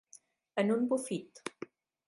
En un bufit.